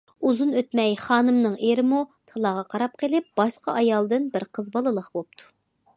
ئۇزۇن ئۆتمەي خانىمنىڭ ئېرىمۇ تالاغا قاراپ قېلىپ، باشقا ئايالدىن بىر قىز بالىلىق بوپتۇ.